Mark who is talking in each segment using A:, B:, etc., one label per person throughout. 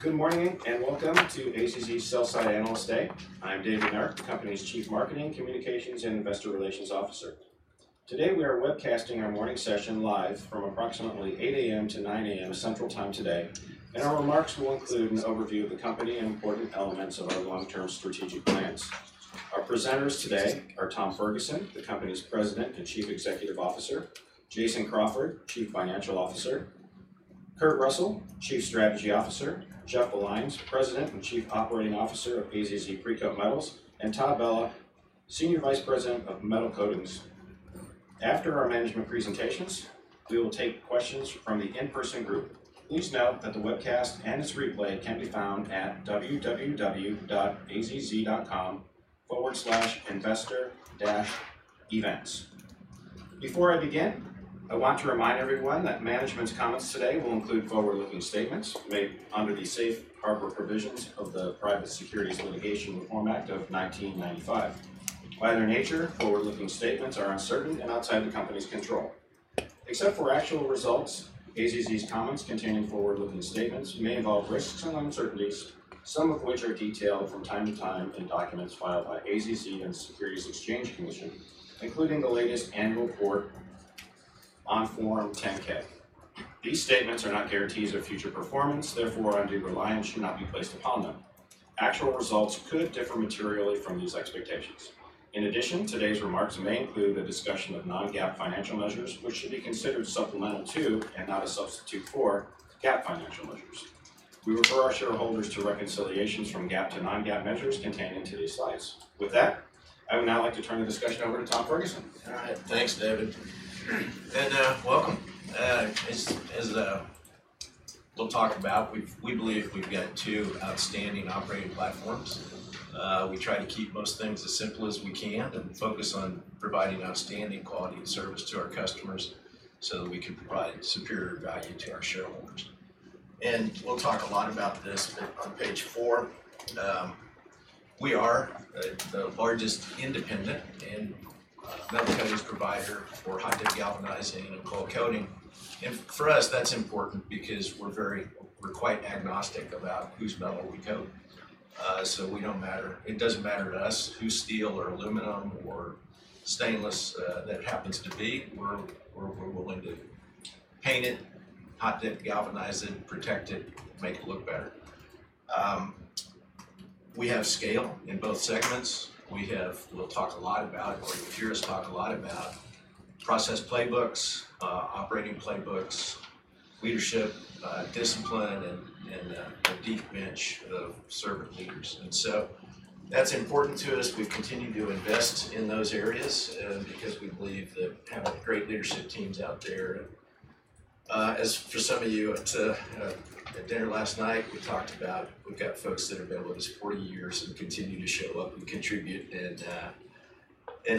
A: Good morning and welcome to AZZ's sell side analyst day. I'm David Nark, Company's Chief Marketing, Communications, and Investor Relations Officer. Today we are webcasting our morning session live from approximately 8:00 A.M. to 9:00 A.M. Central Time today, and our remarks will include an overview of the company and important elements of our long-term strategic plans. Our presenters today are Tom Ferguson, the Company's President and Chief Executive Officer; Jason Crawford, Chief Financial Officer; Kurt Russell, Chief Strategy Officer; Jeff Vellines, President and Chief Operating Officer of AZZ Precoat Metals; and Todd Bella, Senior Vice President of Metal Coatings. After our management presentations, we will take questions from the in-person group. Please note that the webcast and its replay can be found at www.azz.com/investor-events. Before I begin, I want to remind everyone that management's comments today will include forward-looking statements made under the Safe Harbor Provisions of the Private Securities Litigation Reform Act of 1995. By their nature, forward-looking statements are uncertain and outside the company's control. Except for actual results, AZZ's comments containing forward-looking statements may involve risks and uncertainties, some of which are detailed from time to time in documents filed AZZ and the Securities Exchange Commission, including the latest annual report on Form 10-K. These statements are not guarantees of future performance, therefore, a due reliance should not be placed upon them. Actual results could differ materially from these expectations. In addition, today's remarks may include a discussion of non-GAAP financial measures, which should be considered supplemental to and not a substitute for GAAP financial measures. We refer our shareholders to reconciliations from GAAP to non-GAAP measures contained in today's slides. With that, I will now turn the discussion over to Tom Ferguson.
B: Thanks, David. As we'll talk about, we believe we've got two outstanding operating platforms. We try to keep most things as simple as we can and focus on providing outstanding quality of service to our customers so that we can provide superior value to our shareholders. We'll talk a lot about this on page four. We are the largest independent and Metal Coatings provider for hot dip galvanizing and coil coating. For us, that's important because we're quite agnostic about whose metal we coat. It doesn't matter to us whose steel or aluminum or stainless that happens to be. We're willing to paint it, hot dip galvanize it, protect it, make it look good. We have scale in both segments. We'll talk a lot about process playbooks, operating playbooks, leadership, discipline, and the deep bench of servant leaders. That's important to us. We've continued to invest in those areas because we believe that great leadership teams are out there. As for some of you, at dinner last night, we talked about having folks that have been with us for 40 years and continue to show up and contribute and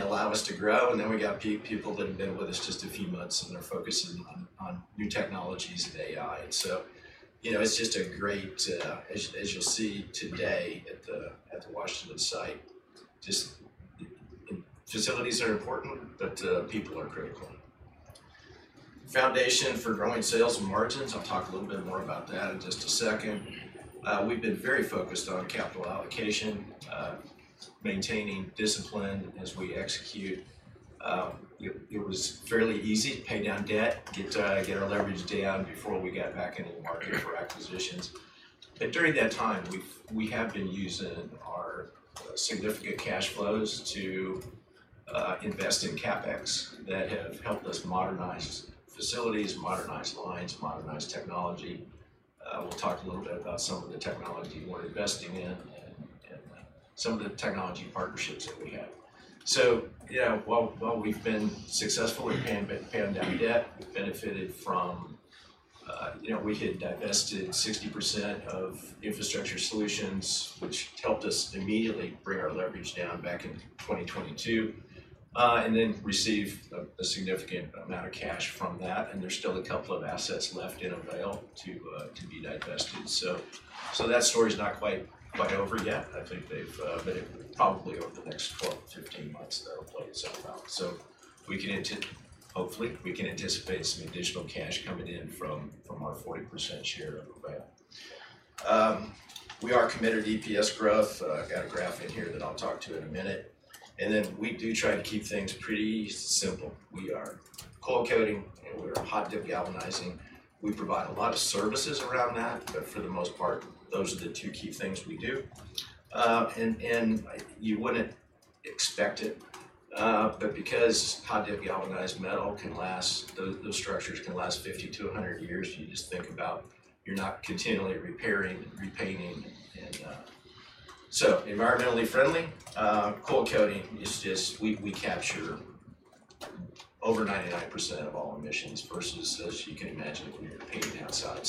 B: allow us to grow. Then we've got people that have been with us just a few months and are focusing on new technologies and AI. It's just a great, as you'll see today at the Washington site, facilities are important, but people are critical. Foundation for growing sales and margins. I'll talk a little bit more about that in just a second. We've been very focused on capital allocation, maintaining discipline as we execute. It was fairly easy to pay down debt, get our leverage down before we got back into our acquisitions. During that time, we have been using our significant cash flows to invest in CapEx that have helped us modernize facilities and modernize lines, modernize technology. We'll talk a little bit about some of the technology we're investing in and some of the technology partnerships that we have. While we've been successful in paying down debt, we've benefited from having divested 60% of Infrastructure Solutions, which helped us immediately bring our leverage down back in 2022, and then receive a significant amount of cash from that. There's still a couple of assets left in our mail to be divested, so that story's not quite over yet. I think they've been probably over the next 12 months-15 months in our portfolio so far. We can, hopefully, we can anticipate some additional cash coming in from a 40% share of the mail. We are committed to DPS growth. I've got a graph in here that I'll talk to in a minute. We do try to keep things pretty simple. We are coil coating. We're hot dip galvanizing. We provide a lot of services around that, but for the most part, those are the two key things we do. You wouldn't expect it, but because hot dip galvanized metal can last, those structures can last 50 years-100 years. You just think about, you're not continually repairing and repainting. Environmentally friendly, coil coating is just, we capture over 99% of all emissions versus, as you can imagine, anything outside.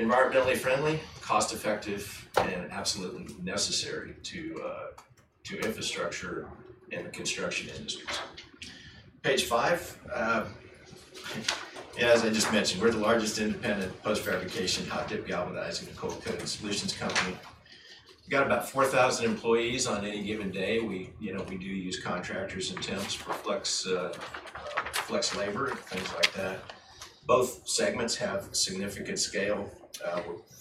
B: Environmentally friendly, cost-effective, and absolutely necessary to infrastructure and construction. Page five. As I just mentioned, we're the largest independent post-fabrication hot dip galvanizing and coil coating solutions company. We've got about 4,000 employees on any given day. We do use contractors and temps for flex labor, things like that. Both segments have significant scale,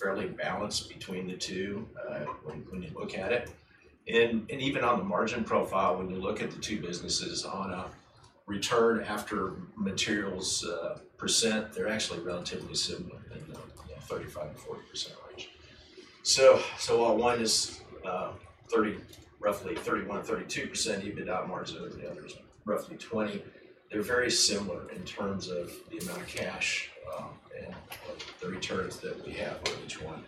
B: early balance between the two when you look at it. Even on the margin profile, when you look at the two businesses on a return after materials, percent, they're actually relatively similar, 35%-40% range. While one is roughly 31%-32% EBITDA margin, the other is roughly 20%, they're very similar in terms of the amount of cash and the returns that we have on each one.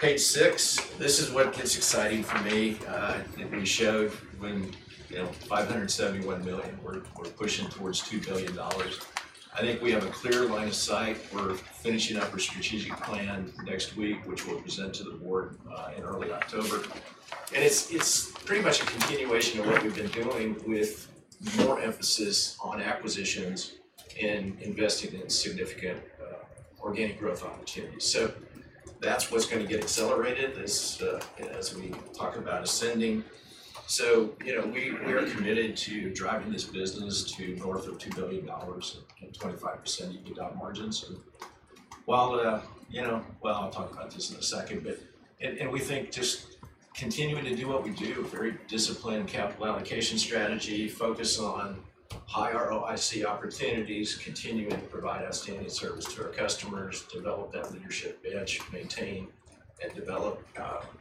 B: Page six. This is what gets exciting for me. We show when, you know, $571 million, we're pushing towards $2 billion. I think we have a clear line of sight. We're finishing up our strategic plan next week, which we'll present to the board in early October. It's pretty much a continuation of what we've been doing with more emphasis on acquisitions and investing in significant organic growth opportunities. That's what's going to get accelerated as we talk about ascending. We are committed to driving this business to north of $2 billion and 25% EBITDA margins. I'll talk about this in a second, but we think just continuing to do what we do, very disciplined capital allocation strategy, focus on high ROIC opportunities, continuing to provide outstanding service to our customers, develop our leadership edge, maintain and develop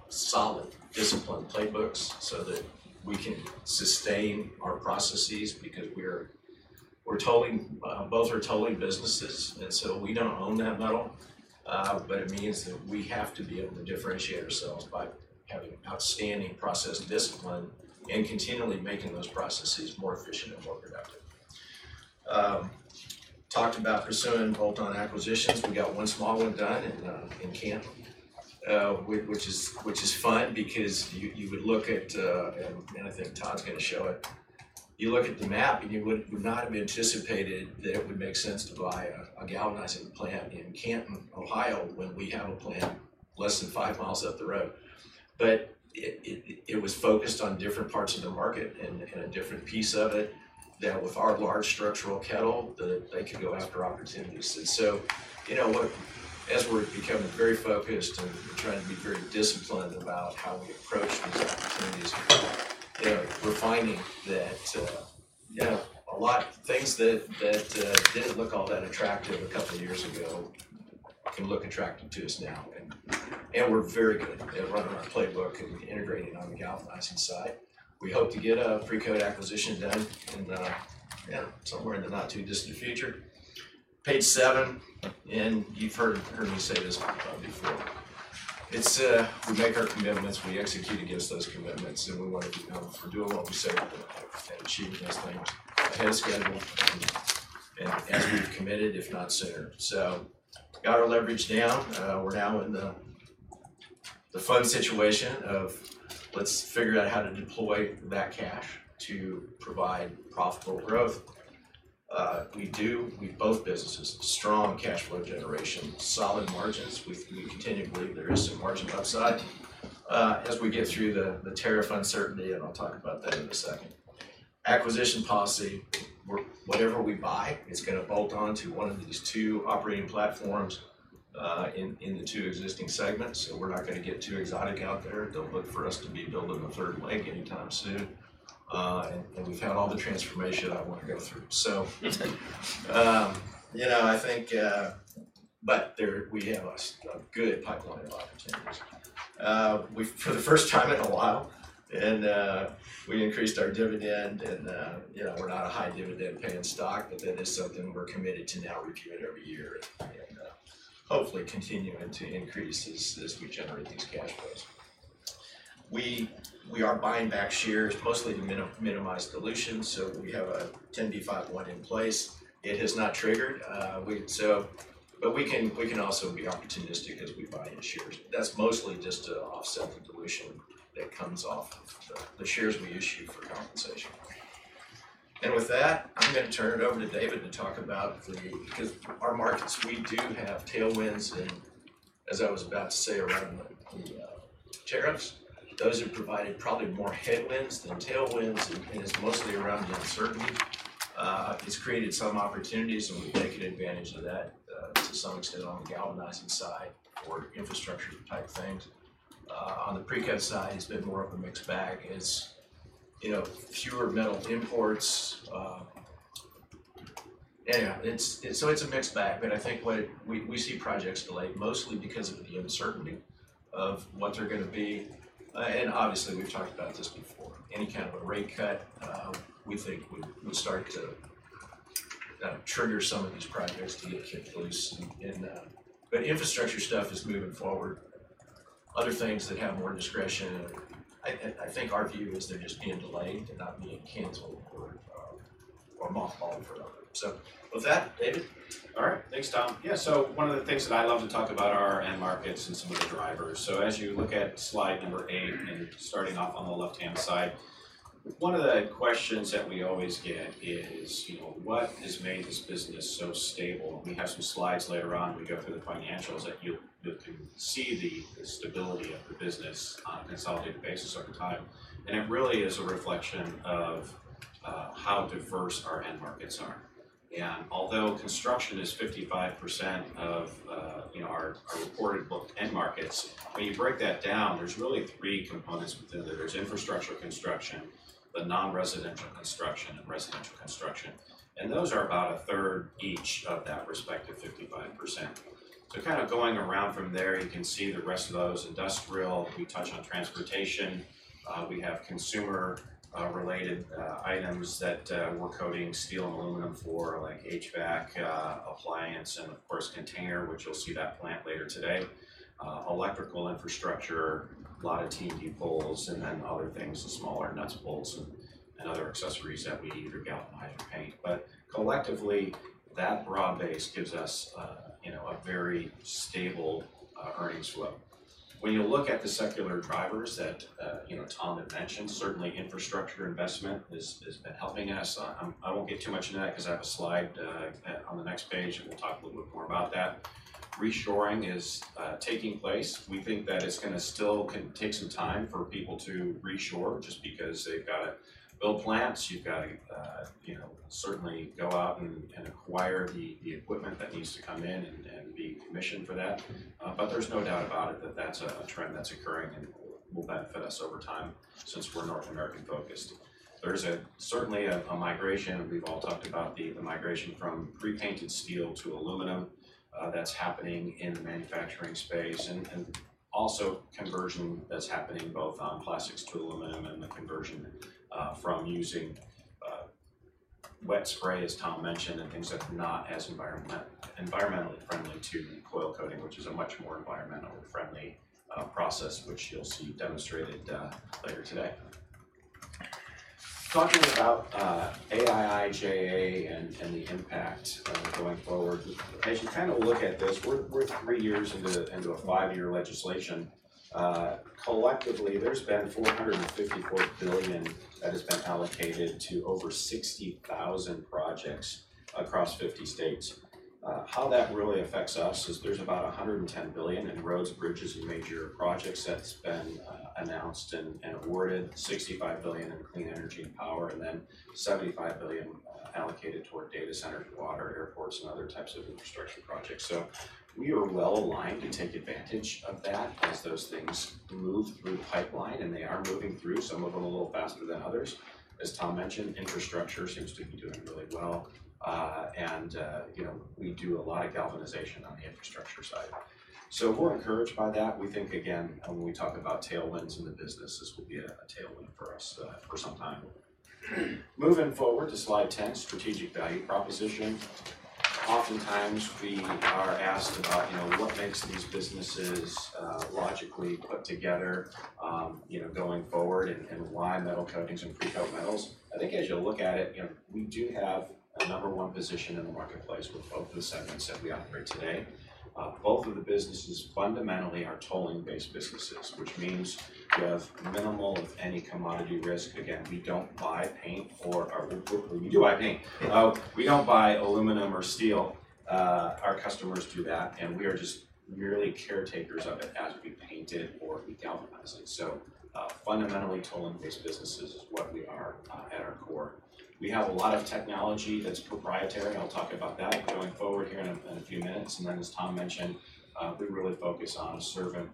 B: solid disciplined playbooks so that we can sustain our processes because we're tolling, both are tolling businesses. We don't own that metal, but it means that we have to be able to differentiate ourselves by outstanding process and discipline and continually making those processes more efficient and more productive. We talked about pursuing bolt-on acquisitions. We got one smaller done in Canton, which is fun because you would look at, and I think Todd's going to show it. You look at the map and you would not have anticipated that it would make sense to buy a galvanizing plant in Canton, Ohio, when we have a plant less than five miles up the road. It was focused on different parts of the market and a different piece of it that with our large structural kettle, they could go after opportunities. As we're becoming very focused and trying to be very disciplined about how we approach these opportunities, refining that to a lot of things that didn't look all that attractive a couple of years ago look attractive to us now. We're very good at what playbook and integrating on the galvanizing side. We hope to get a pre-coat acquisition done in, yeah, somewhere in the not too distant future. Page seven, and you've heard me say this before. We've got dark commitments, we execute against those commitments, and we want to be doing what we say we're going to do. We're ahead of schedule and, as we've committed, if not sooner. A lot of leverage down. We're now in the fun situation of let's figure out how to deploy that cash to provide possible growth. We do, we both businesses, strong cash flow generation, solid margins. We continue to believe there is some margin upside as we get through the tariff uncertainty, and I'll talk about that in a sec. Acquisition policy, whatever we buy is going to bolt on to one of these two operating platforms, in the two existing segments. We're not going to get too exotic out there. Don't look for us to be building a third leg anytime soon, and we've had all the transformation I want to go through. I think we have a good pipeline. For the first time in a while, we increased our dividend. We're not a high dividend paying stock, but that is something we're committed to now. We do it every year, hopefully continuing to increase as we generate these cash flows. We are buying back shares, mostly to minimize dilution. We have a 10b5-1 in place. It has not triggered, but we can also be opportunistic because we buy shares. That's mostly just to offset the dilution that comes off of the shares we issue for compensation. With that, I'm going to turn it over to David to talk about the markets. We do have tailwinds, and as I was about to say around the tariffs, those have provided probably more headwinds than tailwinds, and it's mostly around the uncertainty. It's created some opportunities, so we've taken advantage of that to some extent on the galvanizing side or infrastructure type things. On the Precoat side, it's been more of a mixed bag as fewer mills import. It's always a mixed bag, but I think we see projects delayed mostly because of the uncertainty of what they're going to be. Obviously, we've talked about this before, any kind of a rate cut, we think would start to trigger some of these projects to get close. The infrastructure stuff is moving forward. Other things that have more discretion, our view is they're just being delayed and not being canceled. With that, David.
A: All right, thanks, Tom. One of the things that I love to talk about are our end markets and some of the drivers. As you look at slide number eight, starting off on the left-hand side, one of the questions that we always get is what has made this business so stable. We have some slides later on. We go through the financials that you see the stability of the business on a consolidated basis. It really is a reflection of how diverse our end markets are. Although construction is 55% of our important end markets, when you break that down, there's really three components. There's infrastructure construction, non-residential construction, and residential construction. Those are about a third each of that 55%. Going around from there, you can see the rest of those industrial. We touch on transportation. We have consumer-related items that we're coating steel and aluminum for, like HVAC, appliance, and of course container, which you'll see that plant later today. Electrical infrastructure, a lot of T&D bolts, and then other things, the smaller nuts and bolts and other accessories that we need to galvanize. Collectively, that broad base gives us a very stable earnings growth. When you look at the secular drivers that Tom had mentioned, certainly infrastructure investment is helping us. I won't go too much into that because I have a slide on the next page. We'll talk a little bit more about that. Reshoring is taking place. We think that it's going to still take some time for people to reshore just because they've got to build plants. You've got to certainly go out and acquire the equipment that needs to come in and mission for that. There's no doubt about it that that's a trend that's occurring and will benefit us over time. It's for North American focused. There's certainly a migration. We've all talked about the migration from pre-painted steel to aluminum that's happening in the manufacturing space and also conversion that's happening both on plastics to aluminum and the conversion from using wet spray, as Tom mentioned, and things that are not as environmentally friendly to coil coating, which is a much more environmentally friendly process, which you'll see demonstrated later today. Talking about IIJA and the impact going forward. As you kind of look at this, we're three years into a five-year legislation. Collectively, there's been $454 billion that has been allocated to over 60,000 projects across 50 states. How that really affects us is there's about $110 billion in roads, bridges, and major projects that's been announced and awarded, $65 billion in energy and power, and then $75 billion allocated toward data centers, water, airports, and other types of infrastructure projects. We are well aligned to take advantage of that as those things move through the pipeline, and they are moving through, some of them a little faster than others. As Tom mentioned, infrastructure seems to be doing really well, and we do a lot of galvanization on the infrastructure side. We're encouraged by that. We think, again, when we talk about tailwinds in the business, this will be a tailwind for us for some time. Moving forward to slide 10, strategic value proposition. Oftentimes, we are asked about what makes these businesses logically put together going forward and why Metal Coatings and Precoat Metals. I think as you look at it, we do have a number one position in the marketplace with both the segments that we operate today. Both of the businesses fundamentally are tolling-based businesses, which means they have minimal if any commodity risk. Again, we don't buy paint for our roof work. We do buy paint. We don't buy aluminum or steel. Our customers do that, and we are just really caretakers of it as we paint it or galvanize it. Fundamentally, tolling-based businesses is what we aim for. We have a lot of technology that's proprietary. I'll talk about that going forward here in a few minutes. As Tom mentioned, we really focus on a servant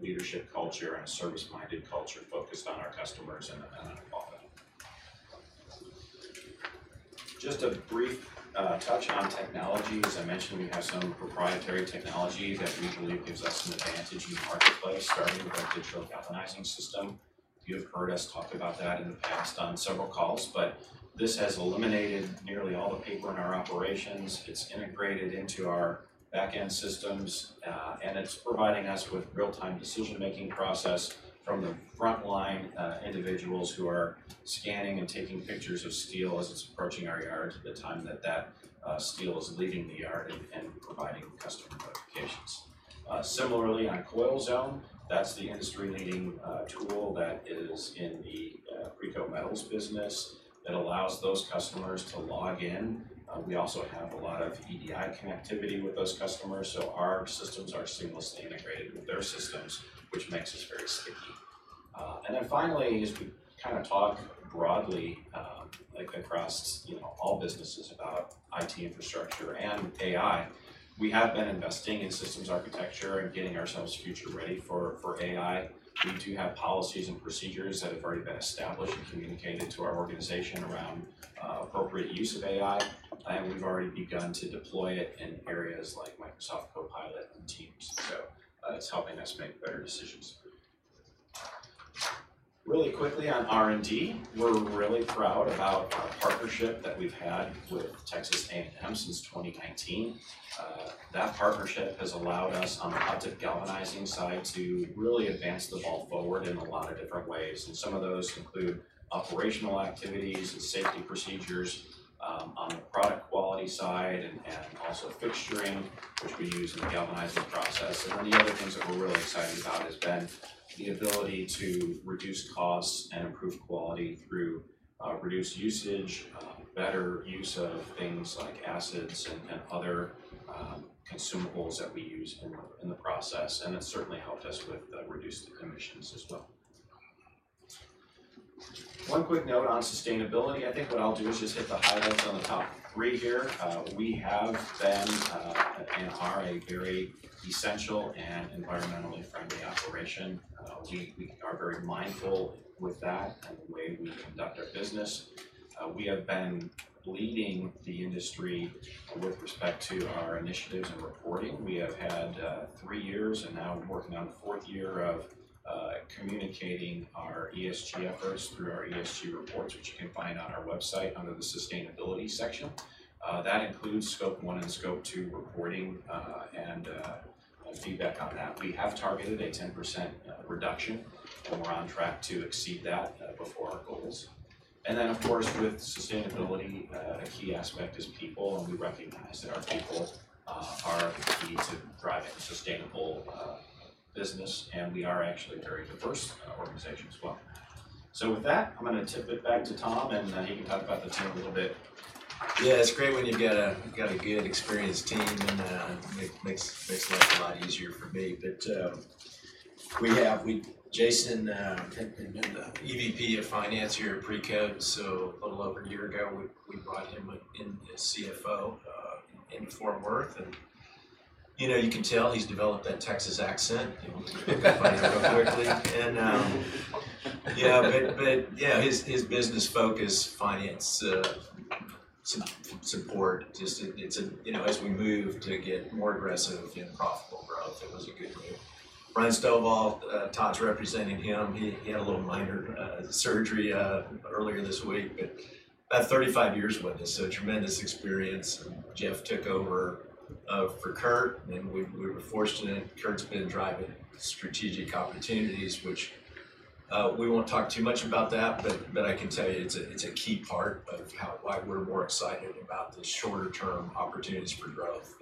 A: leadership culture and a service-oriented culture focused on customers and the company. Just a brief touch on technologies. I mentioned we have some proprietary technology that we believe gives us an advantage in the marketplace, starting with our pre-coat galvanizing system. You've heard us talk about that in the past on several calls, but this has eliminated nearly all the people in our operations. It's integrated into our backend systems, and it's providing us with real-time decision-making process from the frontline individuals who are scanning and taking pictures of steel as it's approaching our yard to the time that steel is leaving the yard and providing customer notifications. Similarly, on CoilZone, that's the industry-leading tool that is in the Precoat Metals business that allows those customers to log in. We also have a lot of EDI connectivity with those customers, so our systems are seamlessly integrated into their systems, which makes this very simple. Finally, as we kind of talk broadly, look across all businesses about IT infrastructure and AI. We have been investing in systems architecture and getting ourselves future-ready for AI. We do have policies and procedures that have already been established and communicated to our organization around appropriate use of AI, and we've already begun to deploy it in areas like my talk about it. That's helping us make better decisions. Really quickly on R&D, we're really proud about a partnership that we've had with Texas A&M since 2019. That partnership has allowed us on the hot dip galvanizing side to really advance the ball forward in a lot of different ways. Some of those include operational activities and safety procedures, on the product quality side and also fixed strand that we use in the galvanizing process. The other things that we're really excited about have been the ability to reduce costs and improve quality through reduced usage, better use of things like acids and other consumables that we use in the process. It certainly helped us with reduced emissions as well. One quick note on sustainability. I think what I'll do is just hit the highlights on the top three here. We have been, you know, are a very essential and environmentally friendly operation. We are very mindful with that in the way we conduct our business. We have been leading the industry with respect to our initiatives and reporting. We have had three years and now working on a fourth year of communicating our ESG efforts through our ESG reports, which you can find on our website under the sustainability section. That includes scope one and scope two reporting, and feedback on that. We have targeted a 10% reduction. We're on track to exceed that for our goals. Of course, with sustainability, a key aspect is people, and we recognize that people are the key to driving a sustainable business. We are actually a very diverse organization as well. With that, I'm going to tip it back to Tom, and then he can talk about the team a little bit. Yeah, it's great when you've got a good experienced team, and it makes life a lot easier for me. We have Jason, EVP of Finance here at Precoat. A little over a year ago, we brought him in as CFO in Fort-Worth. You know, you could tell he's developed that Texas accent quite quickly. His business focus is finance support. Just, you know, as we move to get more aggressive in full growth, it was a good year. Bryce Dobal, Todd's representing him. He had a little minor surgery earlier this week, but about 35 years with us. Tremendous experience. Jeff took over for Kurt, and we were fortunate. Kurt's been driving strategic opportunities, which we won't talk too much about, but I can tell you it's a key part of why we're more excited about the shorter-term opportunities for growth.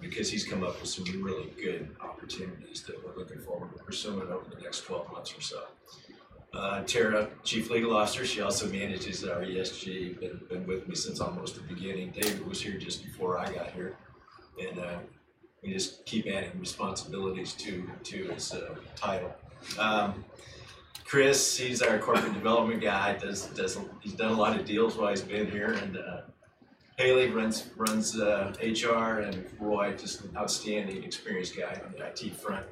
A: Because he's come up with some really good opportunities that we're looking forward to pursuing over the next 12 months or so. Tara, Chief Legal Officer, also manages our ESG and has been with me since almost the beginning. David was here just before I got here, and we just keep adding responsibilities to his pile. Chris, he's our Corporate Development guy. He's done a lot of deals while he's been here. Haley runs HR, and Roy, just an outstanding experienced guy on the IT front.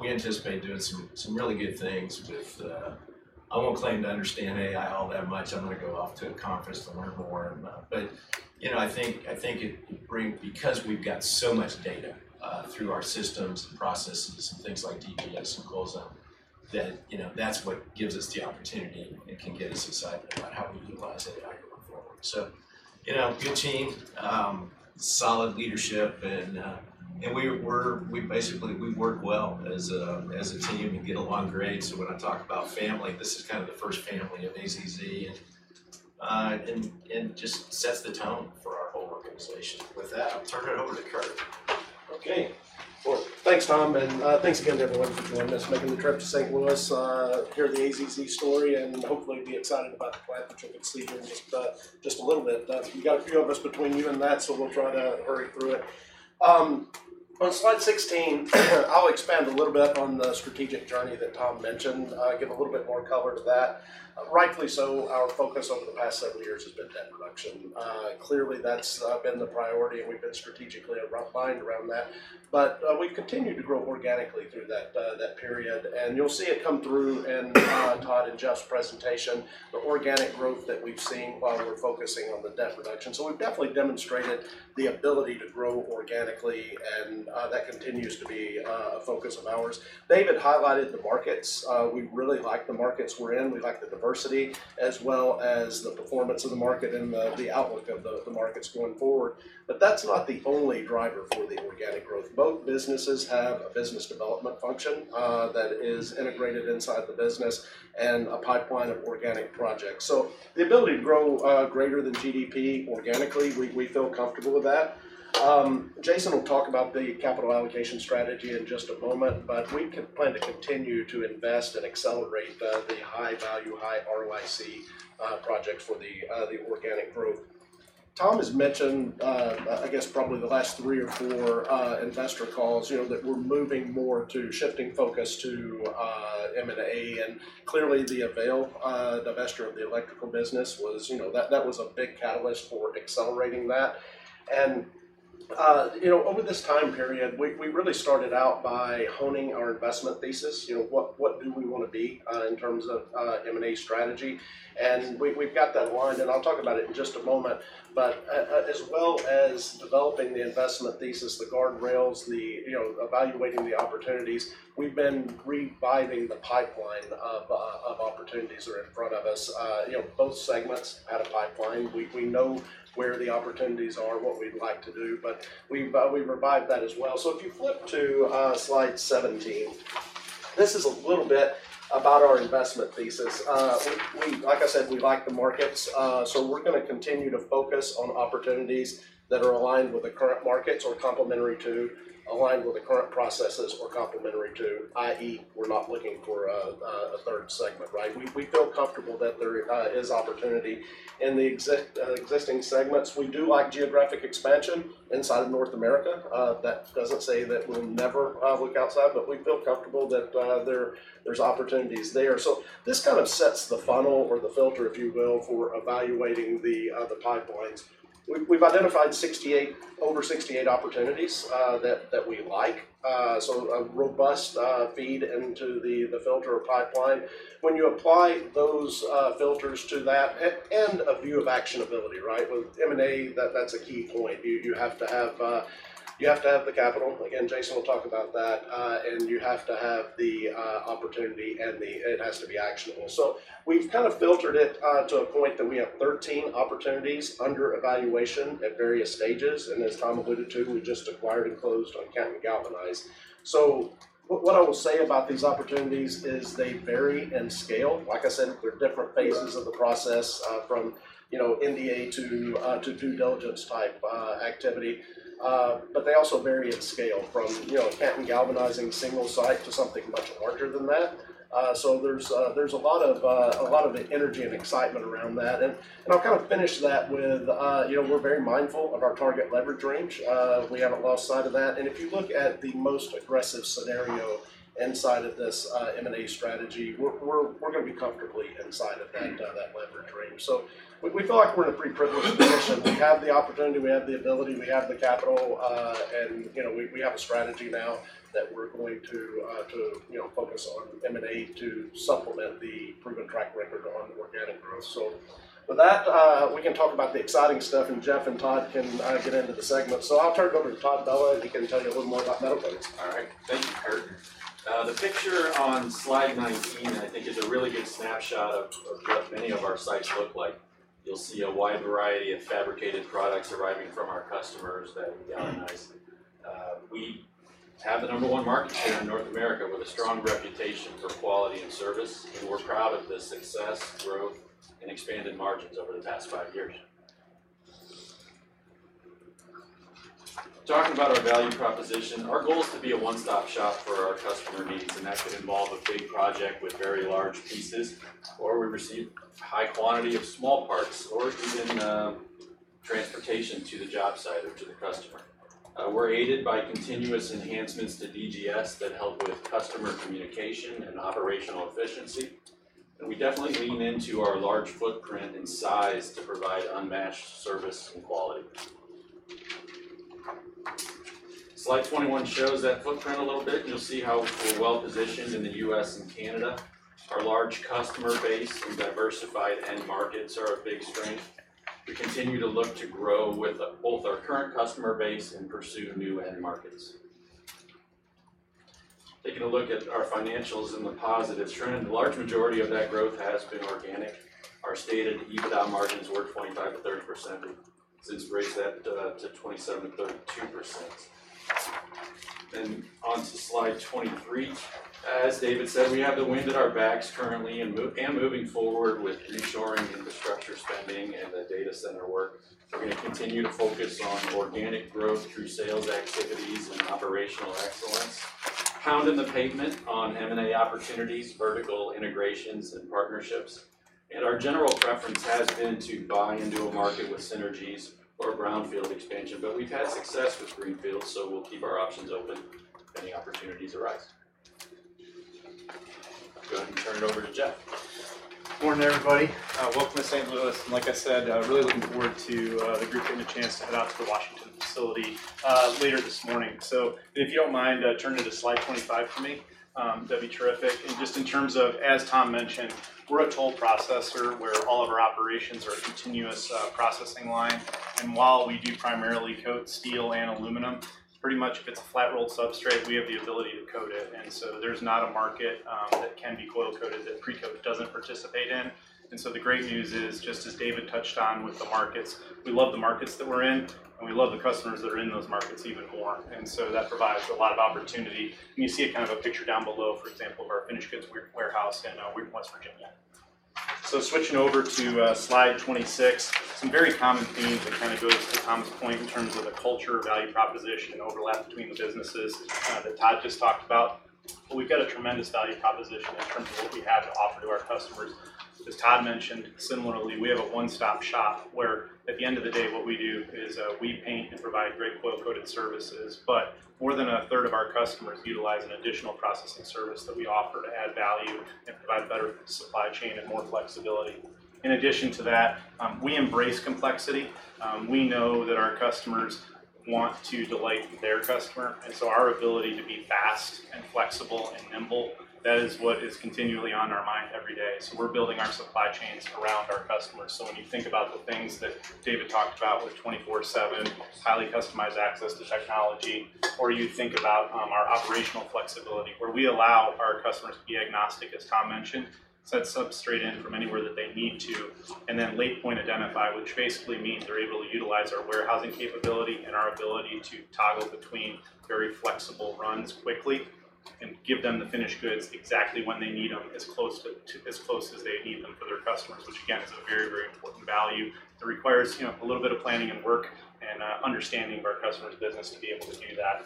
A: We anticipate doing some really good things with, I won't claim to understand AI all that much. I'm going to go off to a conference to learn more. I think it brings, because we've got so much data through our systems, processes, and things like DGS and CoilZone, that's what gives us the opportunity to get us excited about how we utilize AI going forward. Good team, solid leadership, and we basically work well as a team. We get along great. A family, this is kind of the first family of AZZ, and sets the tone, especially with that. I'll turn it over to Kurt.
C: Thanks, Tom, and thanks again to everyone for joining us. I'm going to curb to St. Louis, hear the AZZ story, and hopefully be excited about the flight that they've exceeded in just a little bit. You got a few of us between you and that, so we'll try to hurry through it. On slide 16, I'll expand a little bit on the strategic journey that Tom mentioned. I'll give a little bit more color to that. Rightfully so, our focus over the past seven years has been debt reduction. Clearly, that's been the priority, and we've been strategically rough-lined around that. We continue to grow organically through that period, and you'll see it come through in Todd and Jeff's presentation, the organic growth that we've seen while we're focusing on the debt reduction. We've definitely demonstrated the ability to grow organically, and that continues to be a focus of ours. David highlighted the markets. We really like the markets we're in. We like the diversity, as well as the performance of the market and the outlook of the markets going forward. That's not the only driver for the organic growth. Both businesses have a business development function that is integrated inside the business and a pipeline of organic projects. The ability to grow greater than GDP organically, we feel comfortable with that. Jason will talk about the capital allocation strategy in just a moment. We plan to continue to invest and accelerate the high-value, high-ROIC projects for the organic growth. Tom has mentioned, I guess, probably the last three or four investor calls, that we're moving more to shifting focus to M&A. Clearly, the AVAIL divestiture of the electrical business was a big catalyst for accelerating that. Over this time period, we really started out by honing our investment thesis. What do we want to be in terms of M&A strategy? We've got that aligned, and I'll talk about it in just a moment. As well as developing the investment thesis, the guardrails, evaluating the opportunities, we've been reviving the pipeline of opportunities that are in front of us. Both segments had a pipeline. We know where the opportunities are, what we'd like to do, but we've revived that as well. If you flip to slide 17, this is a little bit about our investment thesis. Like I said, we like the markets. We are going to continue to focus on opportunities that are aligned with the current markets or complementary to, aligned with the current processes or complementary to, i.e., we are not looking for a third segment, right? We feel comfortable that there is opportunity in the existing segments. We do like geographic expansion inside of North America. That does not say that we will never look outside, but we feel comfortable that there are opportunities there. This kind of sets the funnel or the filter, if you will, for evaluating the pipelines. We have identified over 68 opportunities that we like. A robust feed into the filter of pipeline. When you apply those filters to that and a view of actionability, with M&A, that is a key point. You have to have the capital. Again, Jason will talk about that. You have to have the opportunity, and it has to be actionable. We have filtered it to a point that we have 13 opportunities under evaluation at various stages. As Tom alluded to, we just acquired and closed on Canton Galvanize. What I will say about these opportunities is they vary in scale. Like I said, there are different phases of the process from NDA to due diligence type activity, but they also vary in scale from Canton Galvanizing single site to something much larger than that. There is a lot of energy and excitement around that. I will finish that with, we are very mindful of our target leverage range. We have not lost sight of that. If you look at the most aggressive scenario inside of this M&A strategy, we are going to be comfortably inside of that leverage range. We feel like we are in a pretty privileged position. We have the opportunity, we have the ability, we have the capital, and we have a strategy now that we are going to focus on M&A to supplement the proven track record on organic growth. With that, we can talk about the exciting stuff, and Jeff and Todd can get into the segment. I will turn it over to Todd Bella. I think he can tell you a little more about that.
D: Okay, that's all right. Thank you, Kurt. The picture on slide 19, I think, is a really good snapshot of what many of our sites look like. You'll see a wide variety of fabricated products arriving from our customers that we galvanize. Have the number one market share in North America with a strong reputation for quality and service, and we're proud of this success, growth, and expanded markets over the past five years. Talking about our value proposition, our goal is to be a one-stop shop for our customer needs, and that could involve a big project with very large pieces, or we receive a high quantity of small parts, or it is in transportation to the job site or to the customer. We're aided by continuous enhancements to DGS that help with customer communication and operational efficiency. We definitely lean into our large footprint and size to provide unmatched service and quality. Slide 21 shows that footprint a little bit, and you'll see how we feel well positioned in the U.S. and Canada. Our large customer base and diversified end markets are a big strength. We continue to look to grow with both our current customer base and pursue new end markets. Taking a look at our financials and the positive trend, the large majority of that growth has been organic. Our stated EBITDA margins were 25%-30%. This is raised to 27%-32%. On to slide 23. As David said, we have the wind at our backs currently and moving forward with reshoring, infrastructure spending, and the data center work. We're going to continue to focus on organic growth through sales activities and operational excellence. Pounding the pavement on M&A opportunities, vertical integrations, and partnerships. Our general preference has been to buy into a market with synergies or brownfield expansion, but we've had success with greenfields, so we'll keep our options open for any opportunity to.
E: Morning, everybody. Welcome to St. Louis. Like I said, I'm really looking forward to the group getting a chance to head out to the Washington facility later this morning. If you don't mind turning to slide 25 for me, that'd be terrific. In terms of, as Tom mentioned, we're a toll processor where all of our operations are a continuous processing line. While we do primarily coat steel and aluminum, pretty much if it's a flat rolled substrate, we have the ability to coat it. There's not a market that can be coil coated that Precoat doesn't participate in. The great news is, just as David touched on with the markets, we love the markets that we're in, and we love the customers that are in those markets even more. That provides a lot of opportunity. You see kind of a picture down below, for example, of our finished goods warehouse in West Virginia. Switching over to slide 26, some very common themes go to Tom's point in terms of the culture value proposition over the last three businesses that Todd just talked about. We've got a tremendous value proposition in terms of what we have to offer to our customers. As Todd mentioned, similarly, we have a one-stop shop where at the end of the day, what we do is we paint and provide great coil coated services, but more than a third of our customers utilize an additional processing service that we offer to add value and provide better supply chain and more flexibility. In addition to that, we embrace complexity. We know that our customers want to delight their customer. Our ability to be fast and flexible and nimble, that is what is continually on our mind every day. We're building our supply chains around our customers. When you think about the things that David talked about with 24/7 highly customized access to technology, or you think about our operational flexibility, where we allow our customers to be agnostic, as Tom mentioned, set substrate in from anywhere that they need to, and then late point identify, which basically means they're able to utilize our warehousing capability and our ability to toggle between very flexible runs quickly and give them the finished goods exactly when they need them, as close to as close as they need them for their customers. This is a very, very important value. It requires a little bit of planning and work and understanding of our customers' business to be able to do that.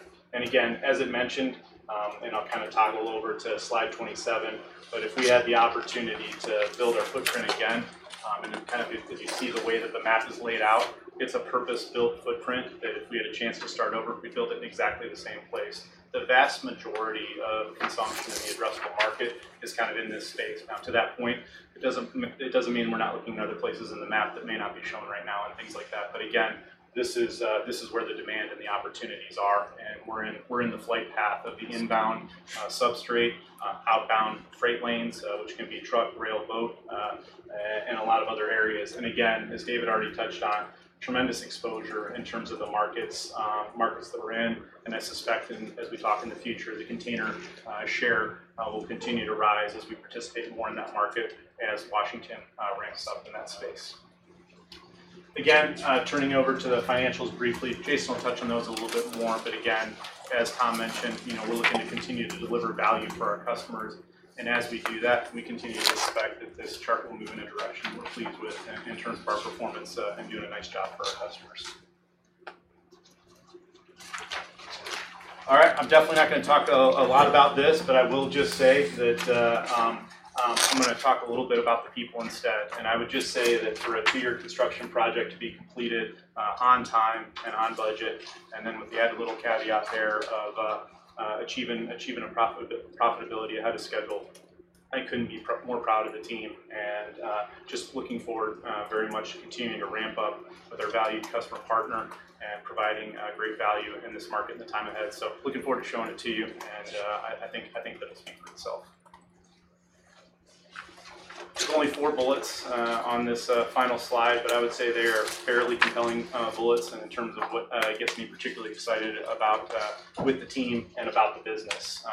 E: As I mentioned, I'll kind of toggle over to slide 27. If we had the opportunity to build our footprint again, and if you see the way that the map is laid out, it's a purpose-built footprint that if we had a chance to start over, we'd build it in exactly the same place. The vast majority of consumption in the addressable market is in this space. To that point, it doesn't mean we're not looking at other places in the map that may not be shown right now and things like that. This is where the demand and the opportunities are. We're in the flight path of the inbound substrate, outbound freight lanes, which can be truck, rail, boat, and a lot of other areas. As David already touched on, there is tremendous exposure in terms of the markets that we're in. I suspect as we talk in the future, the container share will continue to rise as we participate more in that market as Washington ramps up in that space. Turning over to the financials briefly, Jason will touch on those a little bit more. As Tom mentioned, we're looking to continue to deliver value to our customers. As we do that, we continue to expect that this chart will move in a direction we're pleased with in terms of our performance and doing a nice job for our customers. I'm definitely not going to talk a lot about this, but I will just say that I'm going to talk a little bit about the people instead. I would just say that for a beer construction project to be completed on time and on budget, and then with the added little caveat there of achieving a profitability ahead of schedule, I couldn't be more proud of the team and just looking forward very much to continuing to ramp up with our valued customer partner and providing great value in this market in the time ahead. Looking forward to showing it to you, and I think it'll speak for itself. There are only four bullets on this final slide, but I would say they are fairly compelling bullets in terms of what gets me particularly excited about the team and about the business.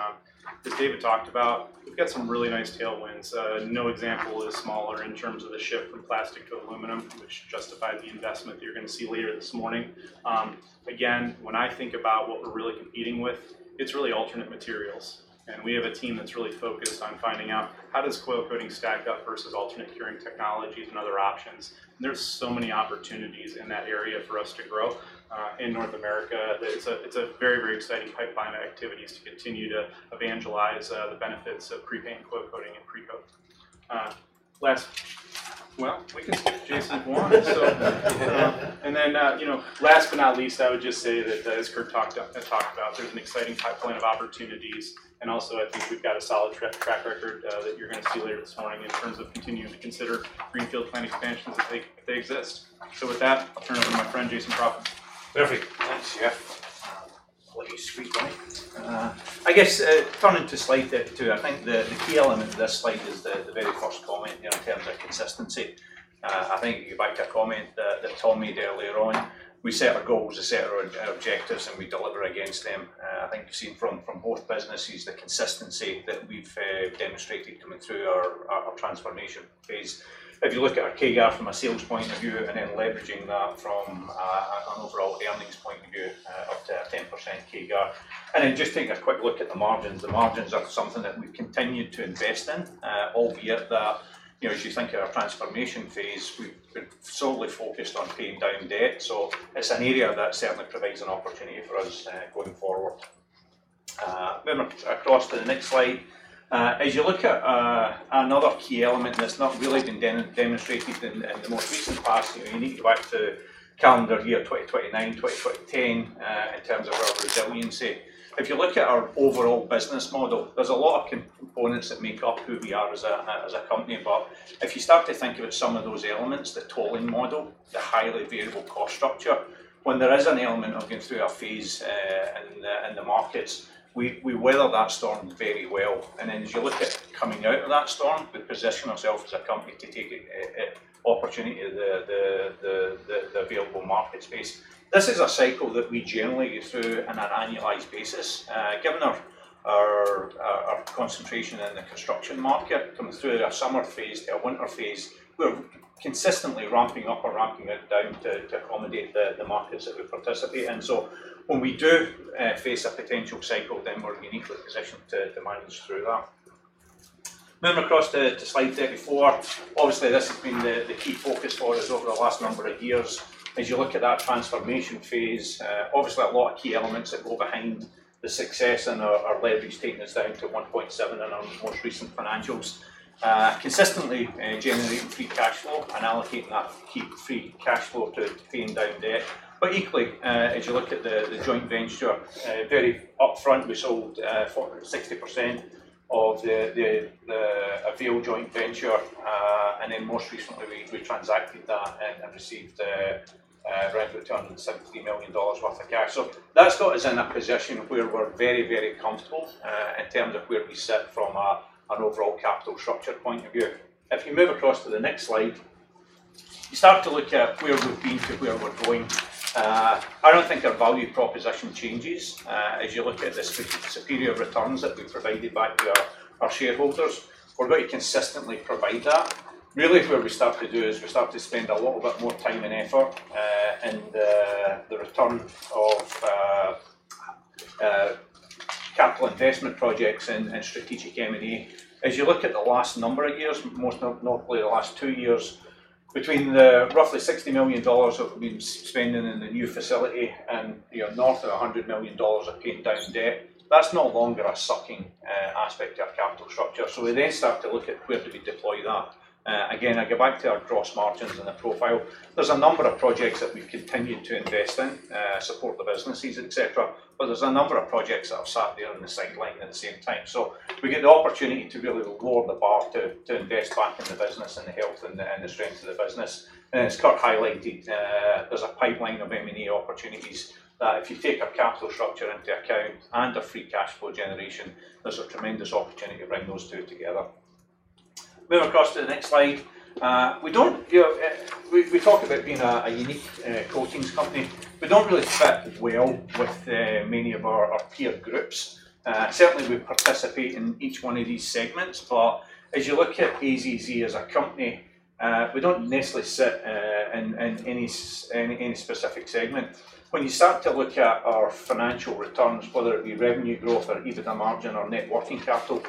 E: As David talked about, we've got some really nice tailwinds. No example is smaller in terms of the shift from plastic to aluminum, which justified the investment that you're going to see later this morning. When I think about what we're really competing with, it's really alternate materials. We have a team that's really focused on finding out how does coil coating stack up versus alternate curing technologies and other options. There are so many opportunities in that area for us to grow in North America. It's a very, very exciting pipeline of activities to continue to evangelize the benefits of pre-paint coil coating and Precoat. We can see Jason if he wants. Last but not least, I would just say that as Kurt talked about, there's an exciting pipeline of opportunities. I think we've got a solid track record that you're going to see later this morning. Friends will continue to consider greenfield plant expansions if they exist. With that, in front of my friend Jason Crawford.
F: Perfect. I'm Jeff. I guess turning to slate today, I think the key element of that slate is the big, of course, comment in terms of consistency. I think you're back to a comment that Tom made earlier on. We set our goals, we set our objectives, and we deliver against them. I think you've seen from both businesses the consistency that we've demonstrated coming through our transformation phase. If you look at our CAGR from a sales point of view and then leveraging that from an overall earnings point of view, up to 10% CAGR. And then just take a quick look at the margins. The margins are something that we've continued to invest in, albeit that, you know, as you think of our transformation phase, we're solely focused on paying down debt. It's an area that certainly provides an opportunity for us going forward. Moving across to the next slide, as you look at another key element that's not really been demonstrated in the most recent past, you need to go back to calendar year 2009, 2010 in terms of our resiliency. If you look at our overall business model, there's a lot of components that make up who we are as a company. If you start to think about some of those elements, the tolling model, the highly variable cost structure, when there is an element of going through a phase in the markets, we weather that storm very well. As you look at coming out of that storm, position ourselves as a company to take an opportunity of the available market space. This is a cycle that we generally go through on an annualized basis. Given our concentration in the construction market, coming through our summer phase to our winter phase, we're consistently ramping up or ramping it down to accommodate the markets that we participate in. When we do face a potential cycle, we're uniquely positioned to manage through that. Across to slide 34, obviously this has been the key focus for us over the last number of years. As you look at that transformation phase, obviously a lot of key elements that go behind the success and our leverage taking us out to 1.7x in our most recent financials. Consistently generating key cash flow and allocating that key free cash flow to paying down debt. Equally, as you look at the joint venture, very upfront we sold, for 60% of the AVAIL joint venture. Most recently we transacted that and received the, roughly $217 million worth of cash. That stuff is in a position where we're very, very comfortable, in terms of where we sit from an overall capital structure point of view. If you move across to the next slide, you start to look at where we're deemed to where we're going. I don't think our value proposition changes, as you look at the superior returns that we provided back to our shareholders. We're going to consistently provide that. Really, where we start to do is we start to spend a little bit more time and effort, in the returns of capital investment projects and strategic M&A. As you look at the last number of years, most notably the last two years, between the roughly $60 million of spending in the new facility and the north of $100 million of paid down debt, that's no longer a sucking aspect of our capital structure. We then start to look at where do we deploy that. Again, I go back to our gross margins and the profile. There's a number of projects that we've continued to invest in, support the businesses, et cetera, but there's a number of projects that are sat there in the sight line at the same time. We get the opportunity to really lower the bar to invest back in the business and the health and the strengths of the business. As Kurt highlighted, there's a pipeline of M&A opportunities that if you take our capital structure into account and our free cash flow generation, there's a tremendous opportunity to bring those two together. Moving across to the next slide, we talk about being a unique coatings company. We don't really sit as well with many of our tiered groups. Certainly, we participate in each one of these segments, but as you look AZZ as a company, we don't necessarily sit in any specific segment. When you start to look at our financial returns, whether it be revenue growth or even the margin on net working capital,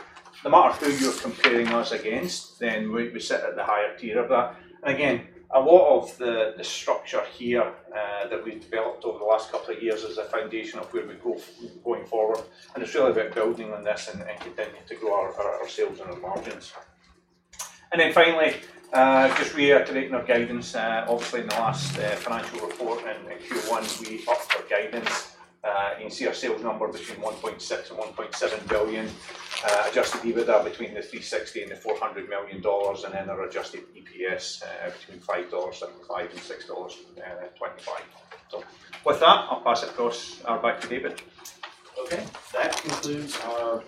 F: no matter who you're comparing us against, we sit at the higher tier of that. Again, a lot of the structure here that we've developed over the last couple of years is the foundation of where we go going forward. It's really about building on this and continuing to grow our sales and our margins. Finally, just reiterating our guidance, obviously in the last financial report and Q1, we upped our guidance and see our sales number between $1.6 billion and $1.7 billion, adjusted EBITDA between $360 million and $400 million, and then our adjusted EPS between $5 and $5.5. With that, I'll pass it back to David.
A: Okay, that concludes our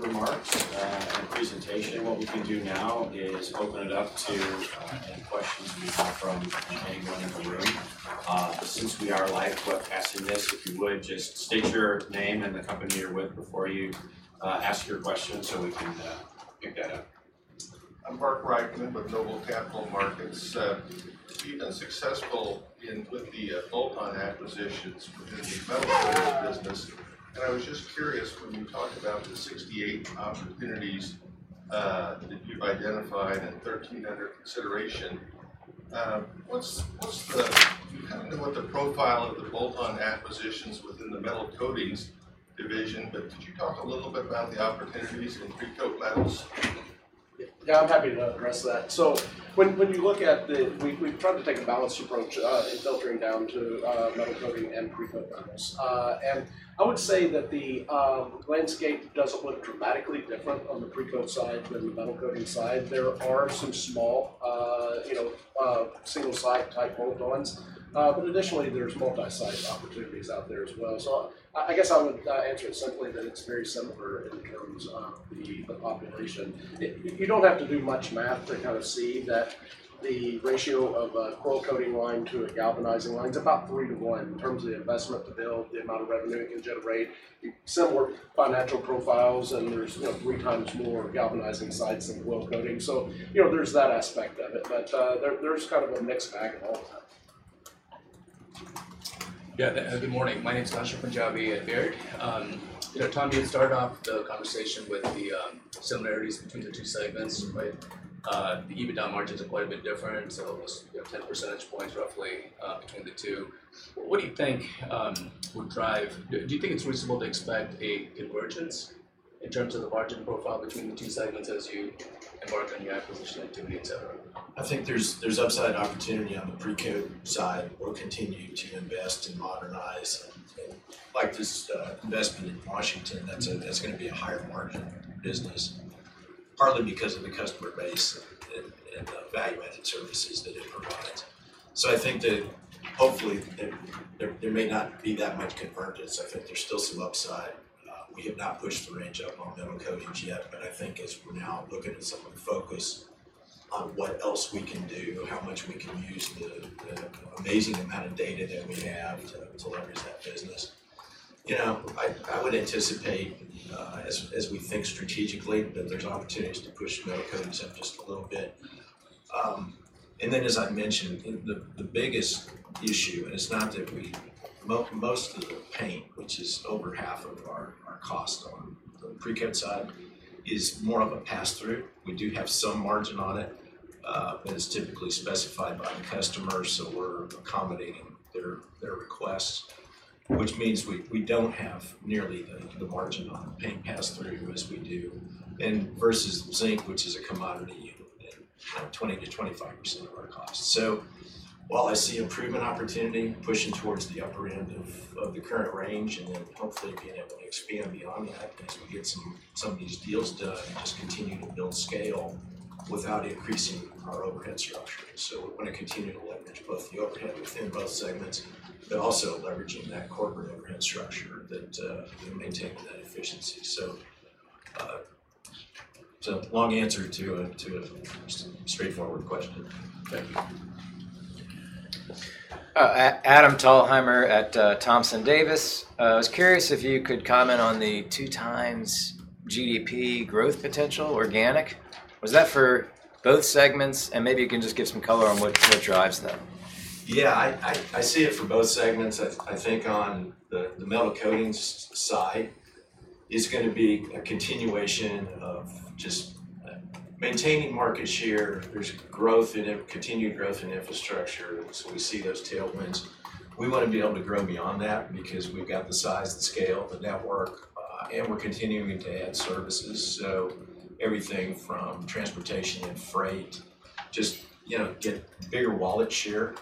A: remarks and presentation. What we can do now is open it up to any questions you have for anyone in the room. Since we are live broadcasting this, if you would just state your name and the company you're with before you ask your question so we can work. Global Capital Markets. If you've been successful in with the Volcon acquisitions, I was just curious when you talked about the 68 opportunities you've identified and 13 other considerations. What's happening with the profile of the Volcon acquisitions within the Metal Coatings division? A little bit about the opportunities and the Precoat levels.
E: Yeah, I'm happy to address that. When you look at the, we've tried to take a balanced approach in filtering down to Metal Coatings and Precoat levels. I would say that the landscape doesn't look dramatically different on the Precoat side than the Metal Coatings side. There are some small, you know, single-site high quotons, but additionally, there's multi-site opportunities out there as well. I would answer it simply that it's very similar in terms of the population. You don't have to do much math to kind of see that the ratio of a coil coating line to a galvanizing line is about three to one in terms of the investment to build, the amount of revenue it can generate. Similar financial profiles, and there's three times more galvanizing sites than coil coating. There's that aspect of it, but there's kind of a mixed bag in all of that. Yeah, good morning. My name's Ghansham Panjabi at Baird. You know, Tom, you had started off the conversation with the similarities between the two segments, and the EBITDA margins are quite a bit different. 10 percentage points roughly between the two. What do you think would drive, do you think it's reasonable to expect an emergence in terms of the margin profile between these two segments as you embark on the acquisition activity, etc.?
B: I think there's outside opportunity on the Precoat side. We're continuing to invest in modernize, like this investment in Washington, that's going to be a higher margin business, partly because of the customer base and the value-added services that it provides. I think that hopefully it may not be that much convergence. I think there's still some upside. We have not pushed through any general Metal Coatings yet, but I think as we now look at it, some of the focus on what else we can do, how much we can use, the amazing amount of data that we have to pull out of that business. I would anticipate, as we think strategically, that there's opportunities to push Metal Coatings up just a little bit. As I mentioned, the biggest issue, and it's not that we, most of the paint, which is over half of the cost on the Precoat Metals side, is more of a pass-through. We do have some margin on it, but it's typically specified by the customer, so we're accommodating their requests, which means we don't have nearly the margin on it. We don't pass through as we do. Versus zinc, which is a commodity, 20%-25%. While I see improvement opportunity pushing towards the upper end of the current range, and hopefully being able to expand beyond that as we get some of these deals done and just continue to build scale without increasing our overhead structure. We're going to continue to look at both the overhead. Within both segments, you are also leveraging that corporate overhead structure that you maintain, that efficiency. Long answer to a straightforward question. Thank you.
G: Adam Thalhimer at Thompson Davis. I was curious if you could comment on the two times GDP growth potential organic. Was that for both segments? Maybe you can just give some color on what drives that.
D: Yeah, I see it for both segments. I think on the Metal Coatings side, it's going to be a continuation of just maintaining market share. There's a growth in it, continued growth in infrastructure. We see those tailwinds. We might be able to grow beyond that because we've got the size, the scale, the network, and we're continuing to add services. Everything from transportation and freight, just, you know, get bigger wallet share.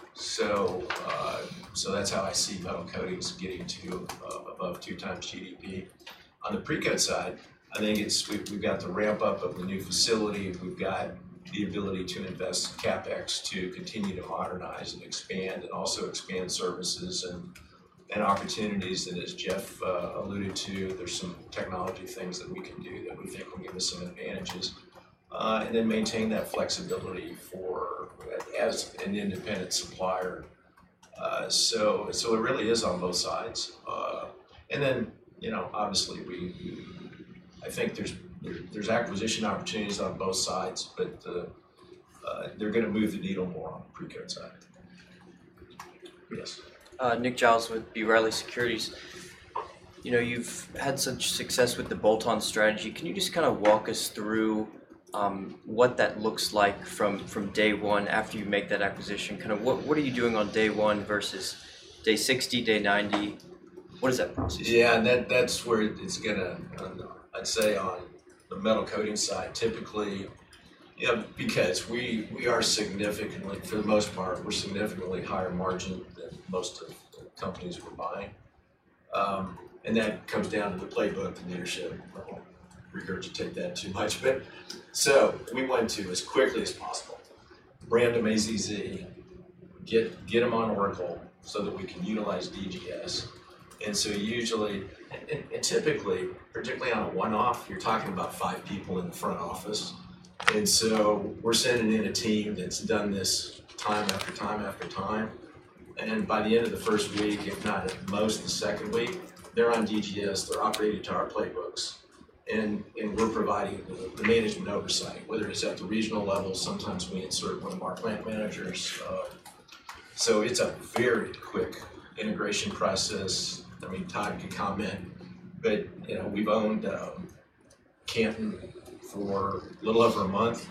D: That's how I see Metal Coatings getting to above two times GDP. On the Precoat side, I think we've got the ramp-up of the new facilities. We've got the ability to invest in CapEx to continue to modernize and expand and also expand services and opportunities. As Jeff alluded to, there's some technology things that we can do with some advantages, and then maintain that flexibility as an independent supplier. It really is on both sides. Obviously, I think there's acquisition opportunities on both sides, but they're going to move the needle more on the Precoat side.
H: Nick Giles with B. Riley Securities. You know, you've had such success with the bolt-on strategy. Can you just kind of walk us through what that looks like from day one after you make that acquisition? Kind of what are you doing on day one versus day 60, day 90? What does that look like?
D: Yeah, and that's where it's going to, I'd say, on the Metal Coatings side, typically, you know, because we are significantly, for the most part, we're significantly higher margin than most of the companies we're buying. That comes down to the playbook and leadership. We don't have to take that too much of it. We went to as quickly as possible, brand them AZZ, get them on Oracle so that we can utilize DGS. Usually, and typically, particularly on a one-off, you're talking about five people in the front office. We're sending in a team that's done this time after time after time. By the end of the first week, if not at most the second week, they're on DGS, they're operating our playbooks, and we're providing the management oversight, whether it's at the regional level. Sometimes we insert one of our Plant Managers. It's a very quick integration process. I mean, time to comment. We've owned Canton for a little over a month.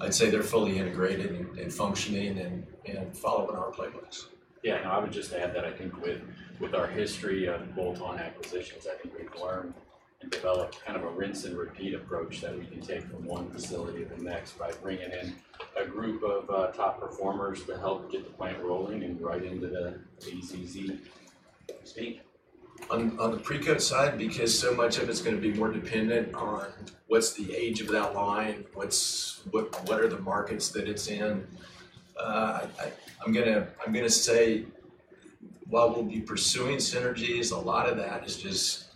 D: I'd say they're fully integrated and functioning and following our playbook.
B: Yeah, I would just add that I think with our history of bolt-on acquisitions, we've learned to follow kind of a rinse and repeat approach that we can take from one facility to the next by bringing in a group of top performers to help get the plant rolling and right into AZZ. On the Precoat side, because so much of it's going to be more dependent on what's the age of that line, what are the markets that it's in, I'm going to say, while we'll be pursuing synergies, a lot of that is just